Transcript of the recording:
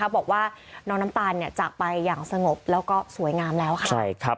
บอกว่าน้องน้ำตาลจากไปอย่างสงบแล้วก็สวยงามแล้วค่ะ